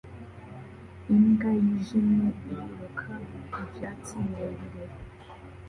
Imbwa yijimye iriruka mu byatsi birebire